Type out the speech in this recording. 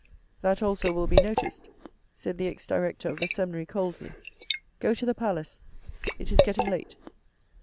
" That also will be noticed" said the ex director of the seminary coldly. " Go to the Palace. It is getting late."